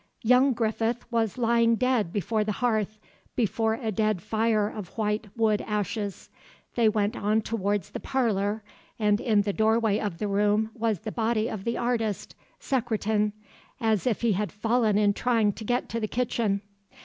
Young Griffith was lying dead before the hearth, before a dead fire of white wood ashes. They went on towards the "parlor," and in the doorway of the room was the body of the artist, Secretan, as if he had fallen in trying to get to the kitchen.